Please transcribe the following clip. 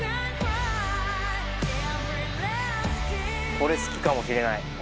これ好きかもしれない俺。